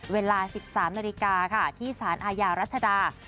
เวลา๑๓นาฬิกาค่ะที่สารอาญารัชดา